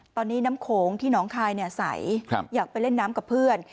ตอนนี้น้ำโขงที่น้องคายใสอยากไปเล่นน้ำกับเพื่อน